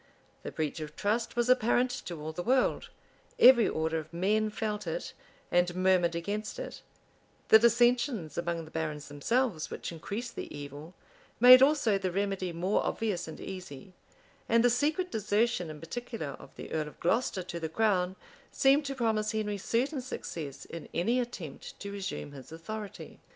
The breach of trust was apparent to all the world: every order of men felt it, and murmured against it: the dissensions among the barons themselves, which increased the evil, made also the remedy more obvious and easy: and the secret desertion in particular of the earl of Glocester to the crown, seemed to promise Henry certain success in any attempt to resume his authority.